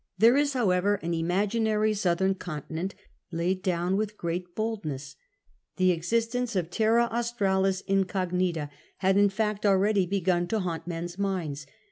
There is, however, an imaginary southern continent laid down with great bold ness. The existence of Tcmi Australis Incognita had in fact already begun to haunt men's minds.